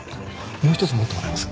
もう１つ持ってもらえます？